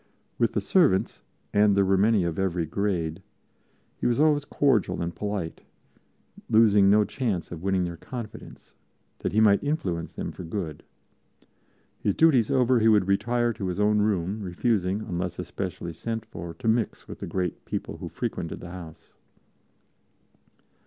With the servants, and there were many of every grade, he was always cordial and polite, losing no chance of winning their confidence, that he might influence them for good. His duties over, he would retire to his own room, refusing, unless especially sent for, to mix with the great people who frequented the house.